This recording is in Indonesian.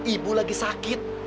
ibu lagi sakit